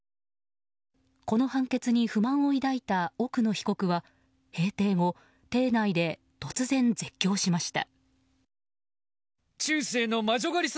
この判決に不満を抱いた奥野被告は閉廷後、邸内で突然絶叫しました。